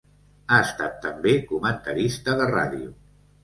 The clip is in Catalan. Ha estat també comentarista de ràdio.